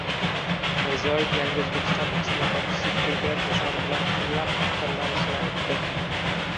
Mirziyoyev “Yangi O‘zbekiston islohotchisi” ko‘krak nishoni bilan kimlar taqdirlanishini aytdi